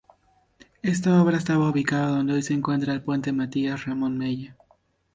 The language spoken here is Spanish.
Esta obra estaba ubicado donde hoy se encuentra el Puente Matías Ramón Mella.